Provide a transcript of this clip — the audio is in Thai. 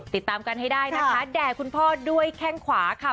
ติดตามกันให้ได้นะคะแด่คุณพ่อด้วยแข้งขวาค่ะ